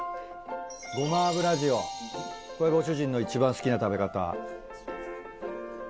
ごま油塩これご主人の一番好きな食べ方。